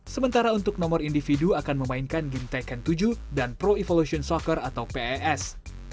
sementara untuk nomor individu akan memainkan game teken tujuh dan pro evolution soccer atau pes